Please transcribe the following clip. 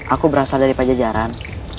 aku berasal dari pajajaran